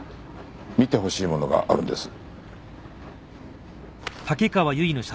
見てほしいものがあるんです。